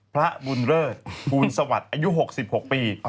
พระบุญเลิศภูลสวัสดิ์อายุ๖๖ปี